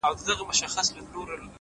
خپلي خبري خو نو نه پرې کوی’